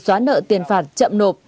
xóa nợ tiền phạt chậm nộp